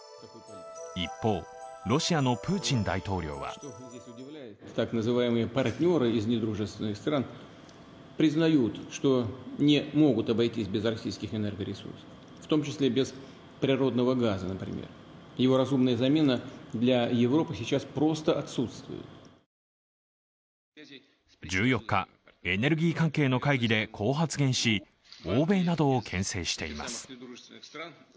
一方、ロシアのプーチン大統領は１４日、エネルギー関係の会議でこう発言し欧米などをけん制しています。